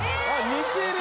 似てる。